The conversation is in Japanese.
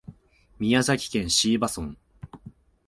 宮崎県椎葉村